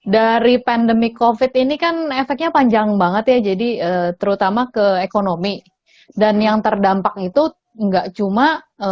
dari pandemic covid ini kan efeknya panjang banget ya jadi terutama ke ekonomi dan yang terdampak itu enggak cuma